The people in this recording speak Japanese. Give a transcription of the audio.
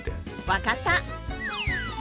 分かった。